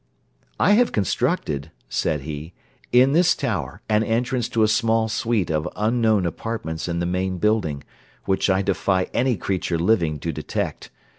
'I have constructed,' said he, 'in this tower, an entrance to a small suite of unknown apartments in the main building, which I defy any creature living to detect.